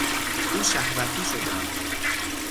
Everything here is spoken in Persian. او شهوتی شده بود.